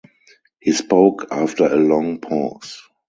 He spoke after a long pause.